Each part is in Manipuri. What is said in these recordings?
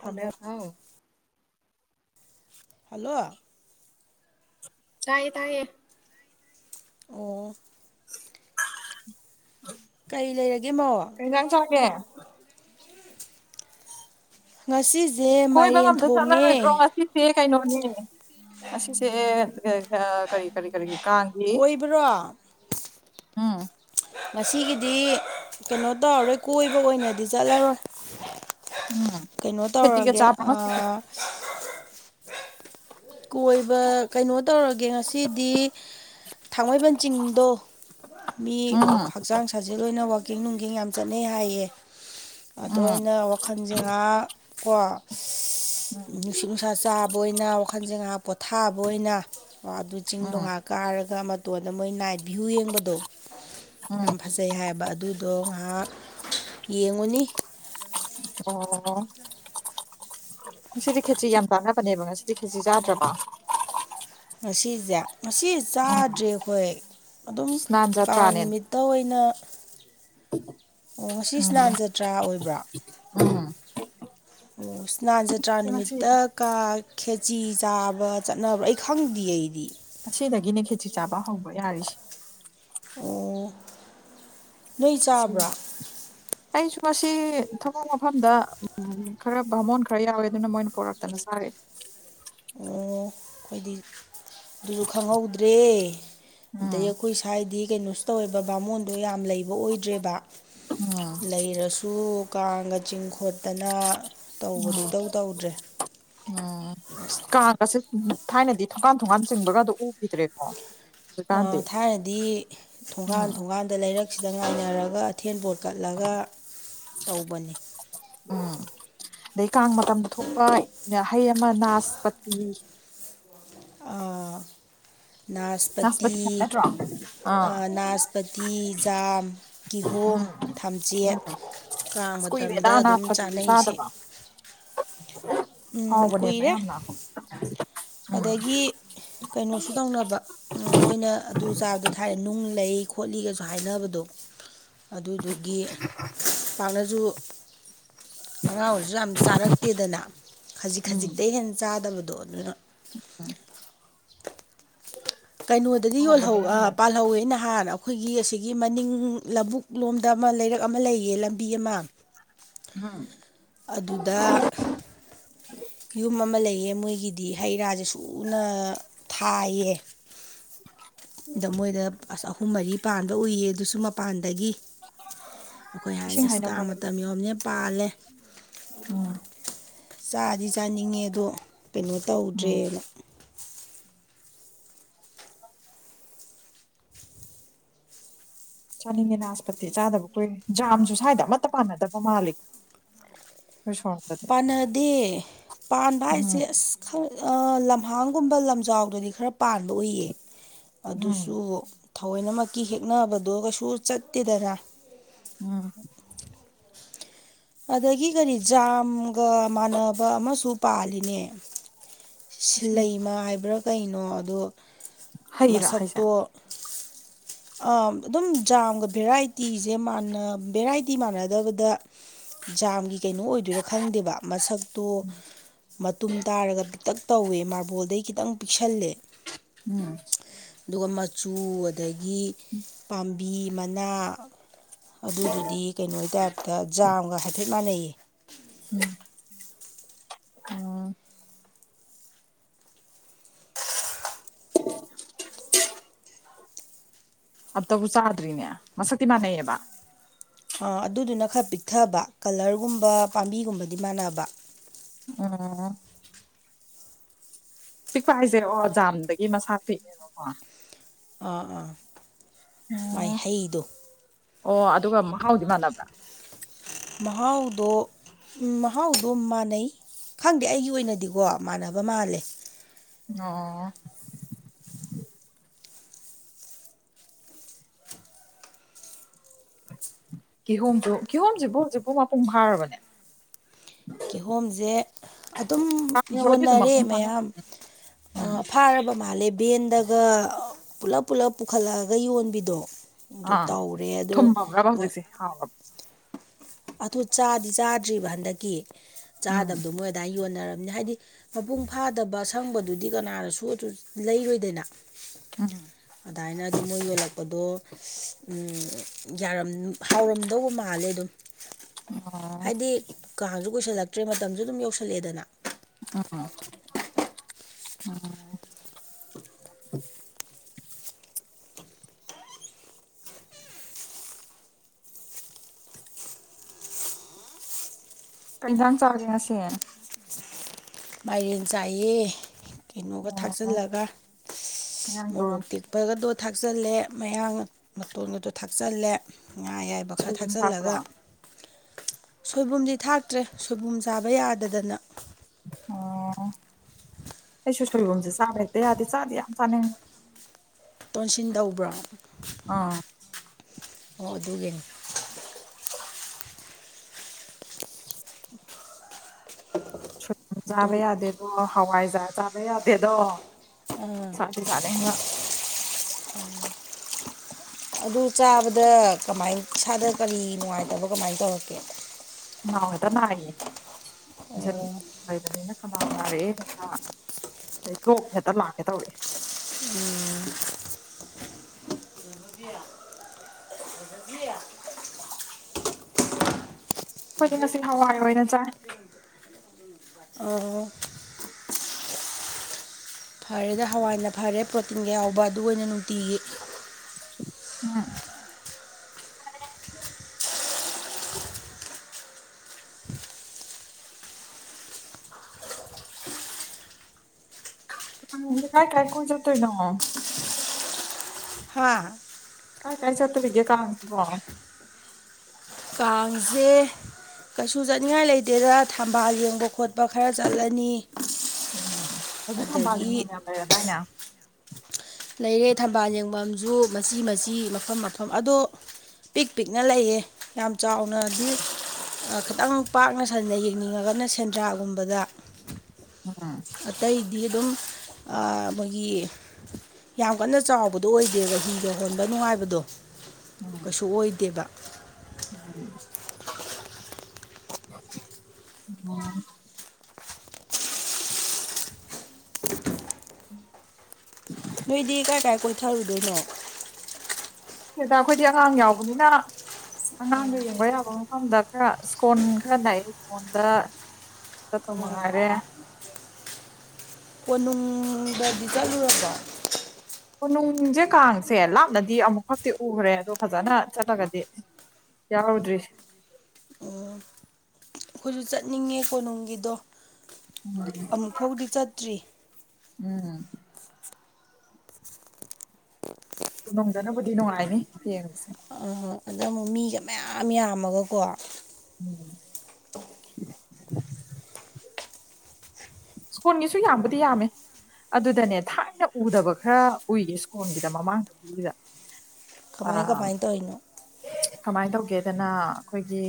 ꯍꯜꯂꯣ ꯊꯝꯃꯦꯐꯧ ꯍꯜꯂꯣ ꯇꯥꯏꯌꯦ ꯇꯥꯏꯌꯦ ꯑꯣ [inaudible] ꯀꯩ ꯂꯩꯔꯒꯦ ꯃꯧ ꯀꯩꯖꯥꯡ ꯆꯥꯔꯛꯒꯦ ꯉꯁꯤ ꯀꯣꯏꯕ ꯑꯝꯇ ꯆꯠꯂꯔꯣꯏꯗ꯭ꯔꯣ ꯉꯁꯤ ꯁꯦ ꯀꯩꯅꯣꯅꯦ ꯑꯁꯤꯁꯦ ꯑꯥ ꯀꯔꯤ ꯀꯔꯤ ꯀꯔꯤ ꯀꯥꯡꯒꯤ ꯀꯣꯏꯕꯥꯔꯣ ꯎꯝ ꯉꯁꯤꯒꯤꯗꯤ ꯀꯩꯅꯣ ꯇꯧꯔꯥꯔꯣꯏ ꯀꯣꯏꯕ ꯑꯣꯏꯅꯗꯤ ꯆꯠꯂꯔꯣꯏ ꯎꯝ ꯀꯩꯅꯣ ꯈꯦꯆꯤꯒ ꯇꯧꯔꯒꯦ ꯆꯥꯕ꯭ꯔꯣ ꯉꯁꯤꯗꯤ ꯑꯥ ꯀꯣꯏꯕ ꯀꯩꯅꯣ ꯇꯧꯔꯥꯒꯦ ꯉꯁꯤꯗꯤ ꯊꯥꯡꯃꯩꯕꯟ ꯆꯤꯡꯗꯣ ꯃꯤ ꯎꯝ ꯍꯛꯆꯥꯡ ꯁꯥꯖꯦꯜ ꯑꯣꯏꯅ ꯋꯥꯛꯀꯤꯡ ꯅꯨꯡꯒꯤꯡ ꯌꯥꯝ ꯆꯠꯅꯩ ꯍꯥꯏꯌꯦ ꯑꯗꯣ ꯎꯝ ꯑꯩꯅ ꯋꯥꯈꯜꯖꯦ ꯉꯍꯥꯡ ꯀꯣ ꯎꯝ ꯅꯨꯡꯁꯤꯠ ꯅꯨꯡꯁꯥ ꯆꯥꯕ ꯑꯣꯏꯅ ꯋꯥꯈꯜꯖꯦ ꯉꯥꯍꯥꯛ ꯄꯣꯊꯥꯕ ꯑꯣꯏꯅ ꯑꯗꯨ ꯆꯤꯡꯗꯣ ꯎꯝ ꯉꯥꯍꯥꯛ ꯀꯥꯔꯒ ꯃꯇꯣꯟꯗ ꯃꯣꯏ ꯅꯥꯏꯠ ꯚ꯭ꯌꯨ ꯌꯦꯡꯕꯗꯣ ꯎꯝ ꯌꯥꯝ ꯐꯖꯩ ꯍꯥꯏꯌꯦꯕ ꯑꯗꯨꯗꯣ ꯉꯥꯍꯥꯛ ꯌꯦꯡꯉꯨꯅꯤ ꯑꯣ ꯉꯁꯤꯗꯤ ꯈꯦꯆ꯭ꯔꯤ ꯌꯥꯝ ꯆꯥꯟꯅꯕꯅꯦꯕ ꯉꯁꯤꯗꯤ ꯈꯦꯆ꯭ꯔꯤ ꯆꯥꯗ꯭ꯔꯥꯕꯣ ꯉꯁꯤꯖꯦ ꯉꯁꯤ ꯎꯝ ꯆꯥꯗ꯭ꯔꯦ ꯑꯈꯣꯏ ꯑꯗꯨꯝ ꯁ꯭ꯅꯥꯟ ꯀꯥꯡ ꯖꯇ꯭ꯔꯥꯅꯦ ꯅꯨꯃꯤꯠ ꯇꯥꯑꯣꯏꯅ ꯑꯣꯏꯅ ꯑꯣ ꯉꯁꯤ ꯎꯝ ꯏꯁꯅꯥꯟ ꯖꯇ꯭ꯔꯥ ꯑꯣꯏꯕ꯭ꯔꯥ ꯎꯝ ꯏꯁꯅꯥꯟ ꯖꯇ꯭ꯔꯥ ꯉꯁꯤ ꯅꯨꯃꯤꯠꯇ ꯀꯥ ꯈꯦꯆꯤ ꯆꯥꯕ ꯆꯠꯅꯕ꯭ꯔꯥ ꯑꯩ ꯈꯪꯗꯤꯌꯦ ꯑꯩꯗꯤ ꯉꯁꯤꯗꯒꯤꯅꯦ ꯈꯦꯆꯤ ꯆꯥꯕ ꯍꯧꯕ ꯌꯥꯔꯤꯁꯦ ꯑꯣ ꯅꯣꯏ ꯆꯥꯕ꯭ꯔꯥ [unintelligible] ꯑꯩꯁꯨ ꯉꯁꯤ ꯊꯕꯛ ꯃꯐꯝꯗ ꯈꯔ ꯚꯥꯃꯣꯟ ꯈꯔ ꯌꯥꯎꯋꯦ ꯑꯗꯨꯅ ꯃꯣꯏꯅ ꯄꯣꯔꯛ ꯇꯅ ꯆꯥꯔꯛꯑꯦ ꯑꯣ ꯑꯩꯗꯤ ꯑꯗꯨꯖꯨ ꯈꯪꯍꯧꯗ꯭ꯔꯦ ꯑꯗꯩ ꯎꯝ ꯑꯩꯈꯣꯏ ꯁ꯭ꯋꯥꯏꯗꯤ ꯀꯩꯅꯣꯁꯨ ꯇꯧꯋꯦꯕ ꯕꯥꯃꯣꯟꯗꯣ ꯌꯥꯝ ꯂꯩꯕ ꯑꯣꯏꯗ꯭ꯔꯦꯕ ꯎꯝ ꯂꯩꯔꯁꯨ ꯀꯥꯡꯒ ꯆꯤꯡ ꯈꯣꯠꯇꯅ ꯇꯧꯕꯗꯣ ꯎꯝ ꯏꯇꯧ ꯇꯧꯗ꯭ꯔꯦ ꯎꯝ ꯀꯥꯡꯒꯁꯦ ꯊꯥꯏꯅꯗꯤ ꯊꯣꯡꯒꯥꯟ ꯊꯣꯡꯒꯥꯟ ꯆꯤꯡꯕꯒꯗꯨ ꯎꯈꯤꯗ꯭ꯔꯦꯀꯣ ꯍꯧꯖꯤꯛꯀꯥꯟꯗꯤ ꯊꯥꯏꯅꯗꯤ ꯊꯣꯡꯒꯥꯟ ꯎꯝ ꯊꯣꯡꯒꯥꯟꯗ ꯂꯩꯔꯛꯁꯤꯗ ꯉꯥꯏꯅꯔꯒ ꯑꯊꯦꯟꯄꯣꯠ ꯀꯠꯂꯒ ꯇꯧꯕꯅꯤ ꯎꯝ ꯑꯗꯩ ꯀꯥꯡ ꯃꯇꯝꯗ ꯊꯣꯛꯄ ꯍꯩ ꯑꯃ ꯅꯥꯁꯄꯥꯇꯤ ꯑꯥ ꯅꯥꯁꯄꯇꯤ ꯍꯥꯏꯕ ꯅꯠꯇ꯭ꯔꯣ ꯑꯥ ꯅꯥꯁ ꯄꯇꯤ ꯖꯥꯝ ꯀꯤꯍꯣꯝ ꯎꯝ ꯊꯝꯆꯦꯠ ꯎꯝ ꯀꯥꯡ ꯑꯁ ꯀꯨꯏꯔꯦꯗ ꯃꯇꯝꯗ ꯑꯗꯨꯝ ꯅꯥꯁꯄꯇꯤꯗꯤ ꯆꯥꯅꯩꯁꯤ ꯆꯥꯗꯕ ꯎꯝ ꯍꯥꯎꯕꯅꯦꯕ ꯀꯨꯏꯔꯦ [inaudible] ꯑꯗꯒꯤ ꯀꯩꯅꯣꯁꯨ ꯇꯧꯅꯕ ꯎꯝ ꯃꯣꯏꯅ ꯑꯗꯨ ꯆꯥꯕꯗꯣ ꯊꯥꯏꯅ ꯅꯨꯡ ꯂꯩ ꯈꯣꯠꯂꯤꯒꯁꯨ ꯍꯥꯏꯅꯕꯗꯣ ꯑꯗꯨꯗꯨꯒꯤ ꯄꯥꯛꯅꯁꯨ ꯑꯉꯥꯡ ꯑꯣꯏꯔꯤꯁꯨ ꯌꯥꯝ ꯆꯥꯔꯛꯇꯦꯗꯅ ꯈꯖꯤꯛ ꯈꯖꯤꯛꯇꯩ ꯍꯦꯟ ꯆꯥꯗꯕꯗꯣ ꯑꯗꯨꯅ ꯎꯝ ꯀꯩꯅꯣꯗꯗꯤ ꯍꯥꯎꯕꯅꯦ ꯌꯣꯜꯍꯧ ꯑ ꯌꯥꯝꯅ ꯄꯥꯜꯍꯧꯋꯦ ꯅꯍꯥꯟ ꯑ ꯑꯩꯈꯣꯏꯒꯤ ꯑꯁꯤꯒꯤ ꯃꯅꯤꯡ ꯂꯧꯕꯨꯛ ꯂꯣꯝꯗ ꯑꯃ ꯂꯩꯔꯛ ꯑꯃ ꯂꯩꯌꯦ ꯂꯝꯕꯤ ꯑꯃ [unintelligible] ꯑꯗꯨꯗ ꯌꯨꯝ ꯑꯃ ꯂꯩꯌꯦ ꯃꯣꯏꯒꯤꯗꯤ ꯍꯩ ꯔꯥꯁꯦ ꯁꯨꯅ ꯊꯥꯏꯌꯦ ꯗ ꯃꯣꯏꯗ ꯑꯁ ꯑꯍꯨꯝ ꯃꯔꯤ ꯄꯥꯟꯕ ꯎꯏꯌꯦ ꯑꯗꯨꯁꯨ ꯃꯄꯥꯟꯗꯒꯤ ꯑꯩꯈꯣꯏ ꯍꯥꯏꯅꯦ ꯏꯁꯤꯡ ꯑꯁ ꯀꯥꯡ ꯍꯩꯅꯧꯄꯥꯗꯅ ꯃꯇꯝ ꯌꯧꯔꯃꯤꯅ ꯄꯥꯜꯂꯦ ꯎꯝ ꯆꯥꯗꯤ ꯆꯥꯅꯤꯡꯉꯦ ꯑꯗꯣ ꯀꯩꯅꯣ ꯎꯝ ꯇꯧꯗ꯭ꯔꯦꯅ ꯆꯥꯅꯤꯡꯉꯦ ꯅꯥꯁꯄꯇꯤ ꯆꯥꯗꯕ ꯀꯨꯏꯔꯦ ꯖꯥꯝꯁꯨ ꯁ꯭ꯋꯥꯏꯗ ꯑꯃꯠꯇ ꯄꯥꯟꯅꯗꯕ ꯃꯥꯜꯂꯤ ꯑꯩꯈꯣꯏ ꯁꯣꯝꯗꯗꯤ ꯄꯥꯟꯅꯗꯦ ꯄꯥꯟꯕ ꯍꯥꯏꯁꯦ ꯎꯝ ꯑꯁ ꯑ ꯂꯝꯍꯥꯡꯒꯨꯝꯕ ꯂꯝꯖꯥꯎꯗꯗꯤ ꯈꯔ ꯄꯥꯟꯕ ꯎꯏꯌꯦ ꯎꯝ ꯑꯗꯨꯁꯨ ꯊꯑꯣꯏꯅꯃꯛꯀꯤ ꯍꯦꯛꯅꯕꯗꯣ ꯀꯩꯁꯨ ꯆꯠꯇꯦꯗꯅ ꯎꯝ ꯑꯗꯒꯤ ꯀꯔꯤ ꯖꯥꯝ ꯒ ꯃꯥꯟꯅꯕ ꯑꯃꯁꯨ ꯄꯥꯜꯂꯤꯅꯦ ꯑꯁꯤꯗꯤ ꯁꯤꯜꯂꯩꯃ ꯍꯥꯏꯕ꯭ꯔ ꯀꯩꯅꯣ ꯑꯗꯣ ꯍꯩꯔꯥ ꯍꯥꯏꯁꯦ ꯃꯁꯛꯇꯣ ꯑꯗꯨꯝ ꯖꯥꯝꯒ ꯚꯦꯔꯥꯏꯇꯤꯁꯦ ꯃꯥꯟꯅ ꯚꯦꯔꯥꯏꯇꯤ ꯃꯥꯟꯅꯗꯕꯗ ꯖꯥꯝꯒꯤ ꯀꯩꯅꯣ ꯑꯣꯏꯗꯣꯏꯔꯥ ꯈꯪꯗꯦꯕ ꯃꯁꯛꯇꯣ ꯃꯇꯨꯝ ꯇꯥꯔꯒ ꯄꯤꯛꯇꯛ ꯇꯧꯋꯦ ꯃꯥꯔꯕꯣꯜꯗꯩ ꯈꯤꯇꯪ ꯄꯤꯛꯁꯜꯂꯦ ꯎꯝ ꯑꯗꯨꯒ ꯃꯆꯨ ꯑꯗꯒꯤ ꯄꯥꯝꯕꯤ ꯃꯅꯥ ꯑꯗꯨꯗꯨꯗꯤ ꯀꯩꯅꯣꯒꯤ ꯇꯥꯏꯞꯇ ꯖꯥꯝꯒ ꯍꯥꯏꯐꯦꯠ ꯃꯥꯟꯅꯩꯌꯦ ꯎꯝ ꯎꯝ [unintelligible] ꯑꯞꯇꯕꯨ ꯆꯥꯗ꯭ꯔꯤꯅꯦ ꯃꯁꯛꯇꯤ ꯃꯥꯟꯅꯩꯌꯦꯕ ꯑꯥ ꯑꯗꯨꯗꯨꯅ ꯈꯔ ꯄꯤꯛꯊꯕ ꯀꯂꯔꯒꯨꯝꯕ ꯄꯥꯝꯕꯤꯒꯨꯝꯕꯗꯤ ꯃꯥꯟꯅꯕ [unintelligible] ꯄꯤꯛꯄ ꯍꯥꯏꯁꯦ ꯑꯣ ꯖꯥꯝꯗꯒꯤ ꯃꯁꯥ ꯄꯤꯛ ꯑꯥ ꯑꯥ ꯃꯥꯏ ꯑꯣ ꯍꯩꯗꯣ ꯑꯣ ꯑꯗꯨꯒ ꯃꯍꯥꯎꯗꯤ ꯃꯥꯟꯅꯕ꯭ꯔꯥ ꯃꯍꯥꯎꯗꯣ ꯎꯝ ꯃꯍꯥꯎꯗꯣ ꯃꯥꯟꯅꯩ ꯈꯪꯗꯦ ꯑꯩꯒꯤ ꯑꯣꯏꯅꯗꯤꯀꯣ ꯃꯥꯟꯅꯕ ꯃꯥꯜꯂꯦ ꯑꯣ ꯀꯤꯍꯣꯝꯗꯨ ꯀꯤꯍꯣꯝꯁꯤꯕꯨ ꯍꯧꯖꯤꯛꯄꯨ ꯃꯄꯨꯡ ꯐꯥꯔꯕꯅꯦ ꯀꯤꯍꯣꯝꯖꯦ ꯑꯗꯨꯝ ꯀꯥꯡ ꯌꯧꯔꯗꯤ ꯑꯗꯨꯝ ꯌꯣꯟꯅꯔꯦ ꯃꯄꯨꯡ ꯐꯥꯅ ꯃꯌꯥꯝ ꯎꯝ ꯑꯥ ꯐꯥꯔꯕ ꯃꯥꯜꯂꯦ ꯕꯦꯟꯗ ꯒꯥ ꯄꯨꯂꯞ ꯄꯨꯂꯞ ꯄꯨꯈꯠꯂꯛꯑꯒ ꯌꯣꯟꯕꯤꯗꯣ ꯑꯗꯨ ꯇꯧꯔꯦ ꯑꯗꯣ ꯃꯣꯏ ꯍꯥꯎ ꯑꯗꯨ ꯆꯥꯗꯤ ꯆꯥꯗ꯭ꯔꯤꯕ ꯍꯟꯗꯛꯀꯤ ꯎꯝ ꯆꯥꯗꯕꯗꯨ ꯃꯣꯏ ꯗꯥꯏ ꯌꯣꯟꯅꯔꯝꯅꯤ ꯍꯥꯏꯗꯤ ꯃꯄꯨꯡ ꯐꯥꯗꯕ ꯁꯪꯕꯗꯨꯗꯤ ꯀꯅꯥꯅꯁꯨ ꯑꯗꯨ ꯂꯩꯔꯣꯏꯗꯅ ꯎꯝ ꯑꯗꯥꯢꯅ ꯑꯗꯨ ꯃꯣꯏ ꯌꯣꯜꯂꯛꯄꯗꯣ ꯌꯥꯔꯝ ꯍꯥꯎꯔꯝꯗꯧꯕ ꯃꯥꯜꯂꯦ ꯑꯗꯨꯝ ꯑꯣ ꯍꯥꯏꯗꯤ ꯀꯥꯡꯁꯨ ꯀꯣꯏꯁꯜꯂꯛꯇ꯭ꯔꯦ ꯃꯇꯝꯁꯨ ꯑꯗꯨꯝ ꯌꯧꯁꯜꯂꯛꯑꯦꯗꯅ [unintelligible] [inaudible] ꯀꯩꯖꯥꯡ ꯆꯥꯒꯦ ꯉꯁꯦ ꯃꯥꯏꯔꯦꯟ ꯆꯥꯏꯌꯦ ꯀꯩꯅꯣꯒ ꯊꯥꯛꯆꯤꯜꯂꯒ ꯉꯔꯥꯡꯗꯣ ꯃꯣꯔꯣꯛꯇꯤ ꯕꯥꯥꯒꯗꯣ ꯊꯥꯛꯆꯜꯂꯦ ꯃꯌꯥ ꯃꯇꯣꯟꯒꯗꯣ ꯊꯥꯛꯆꯜꯂꯦ ꯉꯥ ꯌꯥꯏꯕ ꯄꯥ ꯈꯔ ꯁꯣꯏꯕꯨꯝ ꯊꯥꯛꯄ꯭ꯔꯣ ꯊꯥꯛꯆꯜꯂꯒ ꯑꯣ ꯁꯣꯏꯕꯨꯝꯗꯤ ꯊꯥꯛꯇ꯭ꯔꯦ ꯁꯣꯏꯕꯨꯝ ꯆꯥꯕ ꯌꯥꯗꯗꯅ ꯑꯣ ꯑꯩꯁꯨ ꯁꯣꯏꯕꯣꯝꯁꯦ ꯆꯥꯕ ꯍꯦꯛꯇ ꯌꯥꯗꯦ ꯆꯥꯗꯤ ꯌꯥꯝ ꯆꯥꯅꯤꯡ ꯇꯣꯟꯁꯤꯟ ꯇꯧꯕ꯭ꯔꯥ ꯑꯥ ꯑꯣ ꯑꯗꯨꯒꯤ ꯁꯨꯠ ꯆꯥꯕꯥ ꯌꯥꯗꯦ ꯑꯣ ꯍꯋꯥꯏꯖꯥ ꯆꯥꯕ ꯌꯥꯗꯦꯗꯣ ꯁꯥꯗꯤ ꯆꯥꯅꯤ ꯑꯗꯨ ꯆꯥꯕꯗ ꯀꯃꯥꯏ ꯏꯁꯥꯗ ꯀꯔꯤ ꯅꯨꯡꯉꯥꯏꯇꯕ ꯀꯃꯥꯏꯅ ꯇꯧꯔꯛꯀꯦ [unintelligible] ꯅꯥꯌꯦ ꯑꯣ [unintelligible] ꯈꯅꯥꯎ ꯅꯥꯔꯛꯑꯦ ꯍꯦꯛꯇ ꯑꯗꯩ ꯂꯣꯛ ꯍꯦꯛꯇ ꯂꯥꯛꯀꯦ ꯇꯧꯔꯦ ꯎꯝ [unintelligible] ꯑꯩꯈꯣꯏꯗꯤ ꯉꯁꯤ ꯍꯋꯥꯏ ꯑꯣꯏꯅ ꯆꯥꯏ ꯑꯣ ꯐꯔꯦꯗ ꯍꯋꯥꯏꯅ ꯐꯔꯦ ꯄ꯭ꯔꯣꯇꯤꯟꯒ ꯌꯥꯎꯕ ꯑꯗꯨꯒ ꯑꯣꯏꯅ ꯅꯨꯡꯇꯤꯒꯤ ꯑꯝ ꯀꯥꯏ ꯀꯥꯏ ꯀꯣꯏ ꯆꯠ ꯇꯣꯏꯅꯣ ꯍꯥꯥ ꯀꯥꯏ ꯀꯥꯏ ꯆꯠꯇꯣꯔꯤꯒꯦ ꯀꯥꯡꯁꯤꯕꯣ ꯀꯥꯡꯖꯦ ꯀꯩꯁꯨ ꯆꯠꯅꯤꯡꯉꯥꯏ ꯂꯩꯇꯦꯗ ꯊꯝꯕꯥꯜ ꯌꯦꯡꯕ ꯈꯣꯠꯄ ꯈꯔ ꯆꯠꯂꯅꯤ ꯎꯝ ꯍꯧꯖꯤꯛ ꯊꯝꯕꯥꯜꯂꯤ ꯃ ꯑꯗꯒꯤ ꯃꯌꯥꯝ ꯂꯩꯔꯗꯥꯅꯦ? ꯂꯩꯔꯦ ꯊꯝꯕꯥꯜ ꯌꯦꯡꯐꯝꯁꯨ ꯃꯆꯤ-ꯃꯆꯤ ꯃꯐꯝ-ꯃꯐꯝ ꯑꯗꯣ ꯄꯤꯛ-ꯄꯤꯛꯅꯗꯤ ꯂꯩꯌꯦ ꯌꯥꯝ ꯆꯥꯎꯅꯗꯤ ꯑꯥ ꯈꯤꯇꯪ ꯄꯥꯛꯅ ꯁꯟꯅ ꯌꯦꯡꯅꯤꯡꯉꯒꯅ ꯁꯦꯟꯗ꯭ꯔꯥꯒꯨꯝꯕꯗ ꯎꯝ꯫ ꯑꯇꯩꯗꯤ ꯑꯗꯨꯝ ꯃꯈꯣꯏꯒꯤ ꯌꯥꯝ ꯀꯟꯅ ꯆꯥꯎꯕꯗꯣ ꯑꯣꯏꯗꯦꯕ ꯍꯤꯡꯗ ꯍꯣꯟꯕ ꯅꯨꯡꯉꯥꯏꯕꯗꯣ ꯀꯩꯁꯨ ꯑꯣꯏꯗꯦꯕ ꯎꯝ꯫ ꯎꯝ꯫ ꯅꯣꯏꯗꯤ ꯀꯥꯏ-ꯀꯥꯏ ꯀꯣꯏꯊꯔꯨꯗꯨꯐꯢꯅꯣ? ꯈꯪꯗꯦꯗ ꯑꯩꯈꯣꯏꯗꯤ ꯑꯉꯥꯡ ꯌꯥꯎꯕꯅꯤꯅ ꯑꯉꯥꯡꯗ ꯌꯦꯡꯕ ꯌꯥꯕ ꯃꯐꯝꯗ ꯈꯔ ꯏꯁ꯭ꯀꯣꯟ ꯈꯔ ꯅꯥꯏꯦ ꯏꯁ꯭ꯀꯣꯟꯗ ꯆꯠꯇꯨ ꯃꯉꯥꯔꯦ꯫ ꯀꯣꯅꯨꯡꯗꯗꯤ ꯆꯠꯂꯨꯔꯕꯣ? ꯀꯥꯡꯁꯦ ꯀꯥꯡꯁꯦ ꯂꯥꯞꯅꯗꯤ ꯑꯃꯨꯛ ꯈꯛꯇꯤ ꯎꯈ꯭ꯔꯦ ꯑꯗꯣ ꯐꯖꯅ ꯆꯠꯂꯒꯗꯤ ꯌꯥꯎꯔꯨꯗ꯭ꯔꯤ꯫ ꯑꯣ꯫ ꯑꯩꯈꯣꯏꯁꯨ ꯆꯠꯅꯤꯡꯉꯦ ꯀꯣꯅꯨꯡꯒꯤꯗꯣ꯫ ꯎꯝ ꯑꯃꯨꯛ ꯐꯥꯎꯗꯤ ꯆꯠꯇ꯭ꯔꯤ ꯎꯝ꯫ ꯀꯅꯨꯡꯗꯅꯕꯨꯗꯤ ꯅꯨꯡꯉꯥꯏꯅꯤ ꯌꯦꯡꯕꯁꯦ꯫ ꯑ ꯑꯗꯥ ꯑꯃꯨꯛ ꯃꯤꯒ ꯃꯌꯥꯝ ꯌꯥꯝꯃꯒꯀꯣ ꯎꯝ꯫ ꯁ꯭ꯀꯨꯜꯒꯤꯁꯨ ꯌꯥꯝꯕꯨꯗꯤ ꯌꯥꯝꯃꯦ ꯑꯗꯨꯗꯅꯦ ꯊꯥꯏꯅ ꯎꯗꯕ ꯈꯔ ꯎꯏꯌꯦ ꯁ꯭ꯀꯣꯟꯜꯒꯤꯗ ꯃꯥꯡꯕ ꯆꯍꯤꯒꯤꯗ꯫ ꯑ ꯀꯃꯥꯏ ꯀꯃꯥꯏ ꯇꯧꯔꯤꯅꯣ ꯀꯃꯥꯏꯅ ꯇꯧꯒꯦꯗꯅ ꯑꯩꯈꯣꯏꯒꯤ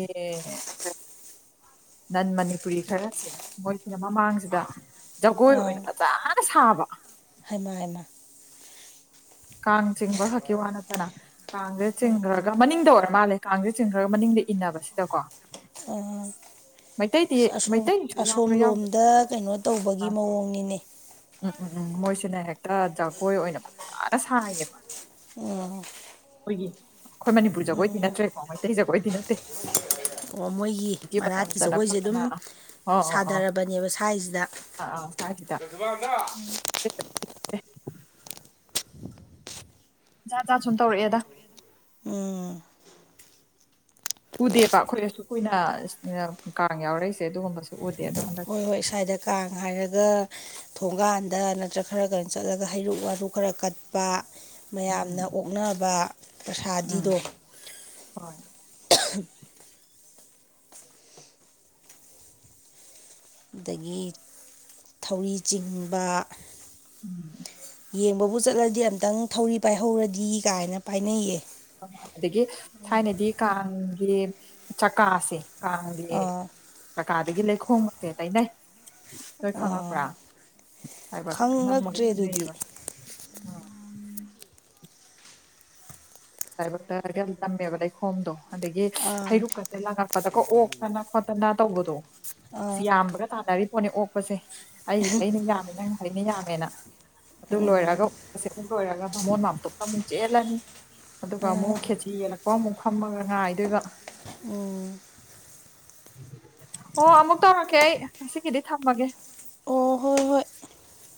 ꯅꯟ ꯃꯅꯤꯄꯨꯔꯤ ꯈꯔꯁꯦ ꯃꯣꯏꯁꯤꯅ ꯃꯃꯥꯡꯁꯤꯗ ꯖꯒꯣꯏ ꯑꯣꯏꯅ ꯐꯖꯟꯅ ꯁꯥꯕ ꯍꯥꯏꯃ-ꯍꯥꯏꯃ꯫ ꯀꯥꯡ ꯆꯤꯡꯕ ꯈꯛꯀꯤ ꯋꯥ ꯅꯠꯇꯅ ꯀꯥꯡꯁꯦ ꯑꯥ ꯆꯤꯡꯈ꯭ꯔꯒ ꯃꯅꯤꯡꯗ ꯑꯣꯏꯔꯦ ꯃꯥꯜꯂꯦ ꯀꯥꯡꯁꯦ ꯆꯤꯡꯈ꯭ꯔꯒ ꯃꯅꯤꯡꯗ ꯏꯟꯅꯕ ꯁꯤꯗꯀꯣ ꯣ ꯃꯩꯇꯩꯁꯨ ꯑꯁꯣꯝ ꯌꯥꯎꯕ꯭ꯔꯥ ꯌꯥꯎꯗꯕ꯭ꯔꯥ ꯂꯣꯝꯗ ꯀꯩꯅꯣ ꯇꯧꯕꯒꯤ ꯃꯑꯣꯡꯅꯤꯅꯦ ꯎꯝ-ꯎꯝ-ꯎꯝ ꯃꯣꯏꯁꯤꯅ ꯍꯦꯛꯇ ꯖꯒꯣꯏ ꯑꯣꯏꯅ ꯐꯖꯥꯅ ꯁꯥꯏꯌꯦꯕ꯫ ꯎꯝ꯫ ꯑꯩꯈꯣꯏꯒꯤ ꯑꯩꯈꯣꯏ ꯃꯅꯤꯄꯨꯔ ꯖꯒꯣꯏꯗꯤ ꯎꯝ ꯅꯠꯇ꯭ꯔꯦꯀꯣ ꯃꯩꯇꯩ ꯖꯒꯣꯏꯗꯤ ꯅꯠꯇꯦ꯫ ꯑꯣ ꯃꯣꯏꯒꯤ ꯚꯤꯗꯤꯑꯣ ꯃꯅꯥꯛꯇꯤ ꯅꯝꯗꯅ ꯖꯈꯣꯏꯁꯦ ꯑꯗꯨꯝ ꯈꯣꯠꯇꯅ ꯑꯣ ꯑꯣ ꯑꯣ ꯁꯥꯗꯔꯕꯅꯦꯕ ꯁ꯭ꯋꯥꯏꯁꯤꯗ꯫ ꯑꯥ ꯎꯝ꯫ ꯍ [unintelligible] ꯖꯠꯖꯥꯠ ꯁꯨꯝ ꯇꯧꯔꯛꯑꯦꯗ꯫ ꯎꯝ꯫ ꯎꯗꯦꯕ ꯑꯩꯈꯣꯏ ꯑꯁꯨ ꯀꯨꯏꯅ ꯀꯥꯡ ꯌꯥꯎꯔꯛꯏꯁꯦ ꯑꯗꯨꯒꯨꯝꯕꯁꯨ ꯎꯗꯦ ꯑꯗꯣ ꯍꯟꯗꯛ ꯌꯣꯏ ꯏꯁ꯭ꯋꯥꯏꯗ ꯀꯥꯡ ꯍꯥꯏꯔꯒ ꯊꯣꯡꯒꯥꯟꯗ ꯅꯠꯇ꯭ꯔꯒ ꯈꯔꯒ ꯆꯠꯂꯒ ꯍꯩꯔꯨꯛ ꯋꯥꯔꯨ ꯈꯔ ꯀꯠꯄ ꯃꯌꯥꯝꯅ ꯎꯝ ꯑꯣꯛꯅꯕ ꯎꯝ ꯄꯁꯥꯗꯤꯗꯣ ꯍꯣꯏ [inaudible] ꯑꯗꯥꯒꯤ ꯊꯧꯔꯤ ꯆꯤꯡꯕ ꯌꯦꯡꯕ ꯕꯨ ꯆꯠꯂꯗꯤ ꯑꯃꯨꯛꯇꯪ ꯊꯧꯔꯤ ꯄꯥꯏꯍꯧꯔꯗꯤ ꯀꯥꯏꯅ ꯄꯥꯏꯅꯩꯌꯦ꯫ ꯑꯗꯥꯒꯤ ꯊꯥꯏꯅꯗꯤ ꯀꯥꯡꯒꯤ ꯆꯀꯥꯁꯦ ꯀꯥꯡꯒꯤ ꯑꯥ ꯆꯀꯥꯗꯒꯤ ꯂꯩꯈꯣꯝꯒꯁꯦ ꯇꯩ ꯅꯩ ꯅꫭꯏ ꯑꯥ ꯈꯪꯉꯛꯄꯔꯥ ꯍꯥꯏꯕ ꯅꯝꯃꯒ ꯈꯪꯉꯛꯇ꯭ꯔꯦ ꯑꯗꯨꯗꯤ ꯆꯠꯅꯩꯕ ꯑꯥ ꯂꯥꯏꯕꯛꯇ [unintelligible] ꯇꯝꯃꯦꯕ ꯂꯩꯈꯣꯝꯗꯣ ꯑꯗꯥꯒꯤ ꯑꯥ ꯍꯩꯔꯨꯛꯀ ꯂꯪꯉꯛꯄꯗꯥꯀꯣ ꯑꯣꯛꯇꯅ ꯈꯣꯠꯇꯅ ꯇꯧꯕꯗꯣ ꯁꯤ ꯑꯥ ꯌꯥꯝꯕꯒ ꯇꯥꯅꯔꯤ ꯄꯣꯠꯅꯦ ꯑꯣꯛꯄꯁꯦ ꯑꯩ ꯍꯩꯅ ꯌꯥꯝꯃꯦ ꯅꯪ ꯍꯩꯅ ꯌꯥꯝꯃꯦꯅ ꯑꯗꯨ ꯎꯝ ꯂꯣꯏꯔꯒ [unintelligible] ꯂꯣꯏꯔꯒ ꯚꯃꯣꯟ ꯃꯥꯝꯇꫭꯞꯇ ꯑꯃꯨꯛ ꯆꯦꯜꯂꯅꯤ꯫ ꯑꯗꯨꯒ ꯑꯥ ꯑꯃꯨꯛ ꯈꯦꯆꯤ ꯌꯦꯜꯂꯛꯄ ꯑꯃꯨꯛ ꯐꯝꯃꯒ ꯉꯥꯗꯨꯏꯕ ꯎꯝ꯫ ꯑꯣ ꯑꯃꯨꯛ ꯇꯧꯔꯛꯀꯦ ꯑꯩ ꯉꯁꯤꯒꯤꯗꯤ ꯊꯝꯃꯥꯒꯦ꯫ ꯑꯣ ꯍꯣꯏ ꯍꯣꯏ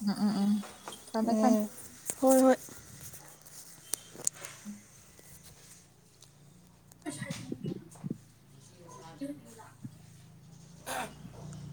ꯎꯝ ꯎꯝ ꯎꯝ ꯊꯝꯃꯦ ꯊꯝꯃꯦ ꯎꯝ ꯍꯣꯏ ꯍꯣꯏ ꯑꯁ ꯍꯥꯏꯗꯨꯅꯤ ꯅꫭꯏꯒꯤ ꯂꯥꯛ